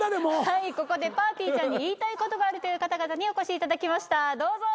はいここでぱーてぃーちゃんに言いたいことがあるという方々にお越しいただきましたどうぞ。